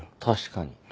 確かに。